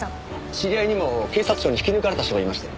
知り合いにも警察庁に引き抜かれた人がいまして。